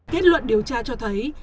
kết luận điều tra cho thấy